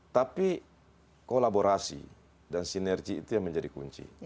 tapi kolaborasi dan sinergi itu yang menjadi kunci